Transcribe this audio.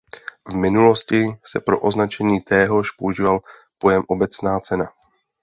V minulosti se pro označení téhož používal pojem obecná cena.